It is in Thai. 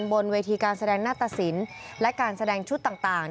บนเวทีการแสดงหน้าตสินและการแสดงชุดต่าง